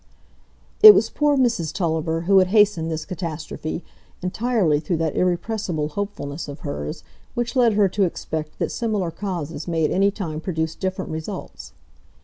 It was poor Mrs Tulliver who had hastened this catastrophe, entirely through that irrepressible hopefulness of hers which led her to expect that similar causes may at any time produce different results.